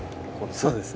そうですね。